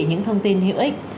những thông tin hữu ích